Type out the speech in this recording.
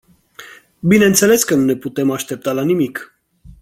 Bineînțeles că nu ne putem aștepta la nimic.